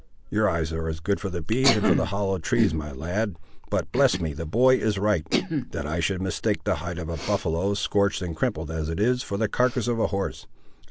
Your eyes are good for the bees and for the hollow trees, my lad, but—bless me, the boy is right! That I should mistake the hide of a buffaloe, scorched and crimpled as it is, for the carcass of a horse!